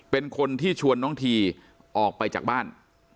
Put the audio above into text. เป็นคนที่ชวนน้องทีออกไปจากบ้าน